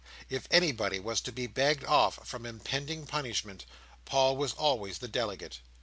If anybody was to be begged off from impending punishment, Paul was always the delegate.